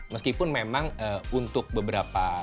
meskipun memang untuk beberapa